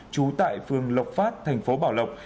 chú tại phường lộc phát thành phố bảo lộc